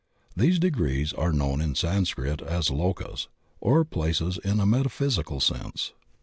These degrees are known in Sanscrit as lokas or places in a metaphysical sense.